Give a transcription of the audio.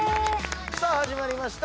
さあ始まりました。